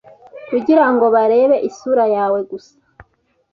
kugira ngo barebe isura yawe gusa